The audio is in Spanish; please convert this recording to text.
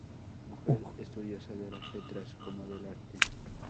Mujer estudiosa de las letras como del arte.